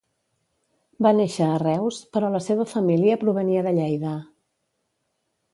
Va néixer a Reus, però la seva família provenia de Lleida.